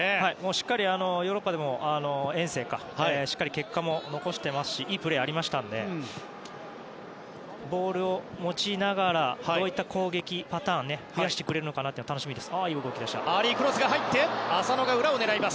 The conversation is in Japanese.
しっかりヨーロッパ遠征でも結果を残していますしいいプレーがありましたのでボールを持ちながらどういった攻撃パターンを増やしてくれるのかが楽しみです。